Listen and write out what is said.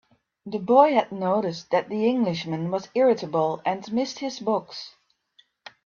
The boy had noticed that the Englishman was irritable, and missed his books.